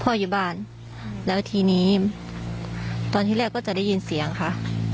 อยู่บ้านแล้วทีนี้ตอนที่แรกก็จะได้ยินเสียงค่ะ